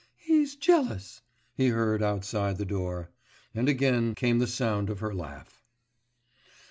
'He's jealous!' he heard outside the door, and again came the sound of her laugh.